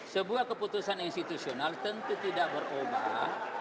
sebuah keputusan institusional tentu tidak berubah